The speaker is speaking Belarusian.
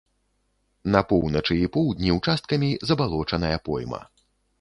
На поўначы і поўдні ўчасткамі забалочаная пойма.